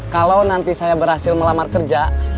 kalau nanti saya berhasil melamar kerja